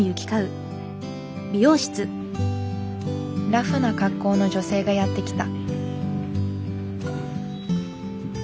ラフな格好の女性がやって来た。